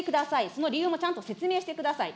その理由もちゃんと説明してください。